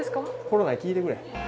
コロナに聞いてくれ。